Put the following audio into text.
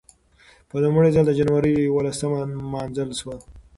په لومړي ځل د جنورۍ یولسمه نمانځل شوه.